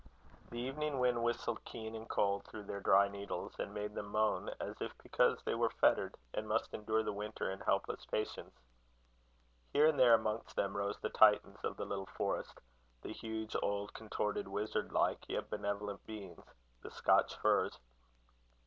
The evening wind whistled keen and cold through their dry needles, and made them moan, as if because they were fettered, and must endure the winter in helpless patience. Here and there amongst them, rose the Titans of the little forest the huge, old, contorted, wizard like, yet benevolent beings the Scotch firs.